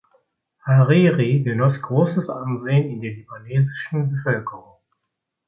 Hariri genoss großes Ansehen in der libanesischen Bevölkerung.